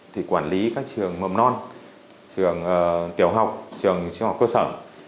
thì quản lý các trường mầm non trường tiểu học trường trung học cơ sở